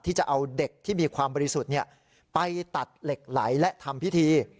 จะเอาเด็กที่มีความบริสุทธิ์ไปตัดเหล็กไหลและทำพิธี